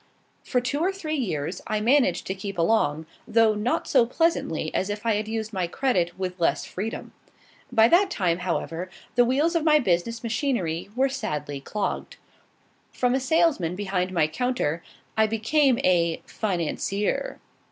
For two or three years, I managed to keep along, though not so pleasantly as if I had used my credit with less freedom. By that time, however, the wheels of my business machinery were sadly clogged. From a salesman behind my counter, I became a "financier."